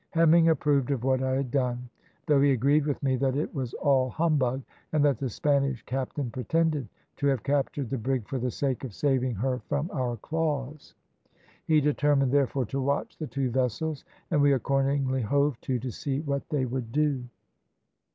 Hemming approved of what I had done, though he agreed with me that it was all humbug, and that the Spanish captain pretended to have captured the brig for the sake of saving her from our claws. He determined therefore to watch the two vessels, and we accordingly hove to to see what they would do.